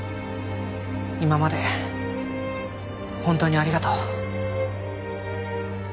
今まで本当にありがとう。